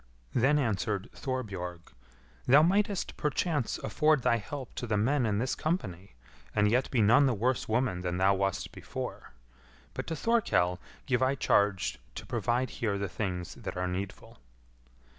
Then answered Thorbjorg, "Thou mightest perchance afford thy help to the men in this company, and yet be none the worse woman than thou wast before; but to Thorkell give I charge to provide here the things that are needful."